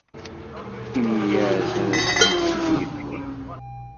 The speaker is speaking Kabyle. Ini-as ad asen-tt-id-yefk.